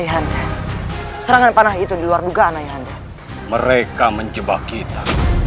ayah anda serangan panah itu diluar dugaan mereka menjebak kita